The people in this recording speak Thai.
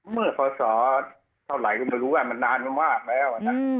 เมื่อภาษาเท่าไหร่ก็ไม่รู้ว่ามันนานมากแล้ว